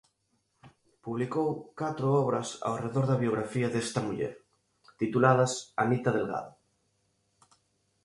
Publicou catro obras ao redor da biografía desta muller tituladas "Anita Delgado.